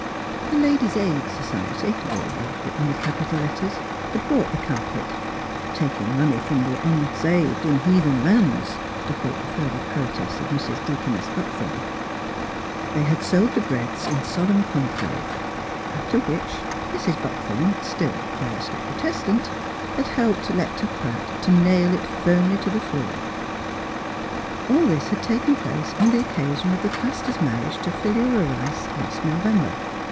The Ladies' Aid Society (always written with capital letters) had bought the carpet, '' taking money from the unsaved in heathen lands," to quote the fervid protest of Mrs. Deaconess Buck thorn ; had sewed the breadths in solemn conclave. After which Mrs. Buckthorn, still j^iously protest ant, had helped Electa Pratt to nail it firmly to 26 THE HEART OF PHILUEA the floor. All this had taken place on the occa sion of the pastor's marriage to Philura Rice, last November.